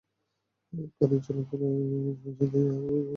কানের ঝালাপালা মুক্তির প্রশান্তি নিয়ে হাদু ভাই বাসের সিটে বসে ছিলেন।